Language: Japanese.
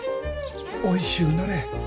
おいしゅうなれ。